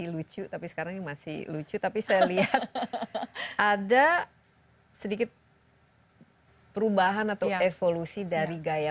lucu tapi sekarang ini masih lucu tapi saya lihat ada sedikit perubahan atau evolusi dari gaya